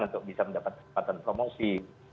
untuk bisa mendapat kesempatan promosi